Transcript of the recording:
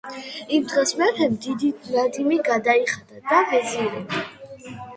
იმ დღეს მეფემ დიდი ნადიმი გადაიხადა და ვეზირები